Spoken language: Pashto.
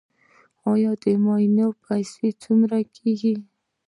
د معایناتو پیسې څومره کیږي؟